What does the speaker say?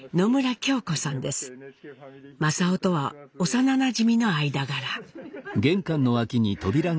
正雄とは幼なじみの間柄。